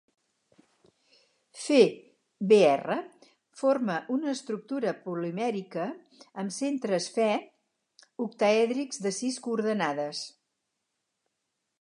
FeBr forma una estructura polimèrica amb centres Fe octaèdrics de sis coordenades.